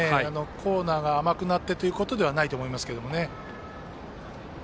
コーナーが甘くなってということではないと思います。